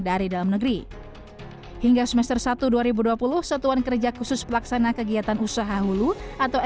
dari dalam negeri hingga semester satu dua ribu dua puluh satuan kerja khusus pelaksana kegiatan usaha hulu atau